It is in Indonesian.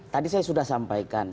tadi saya sudah sampaikan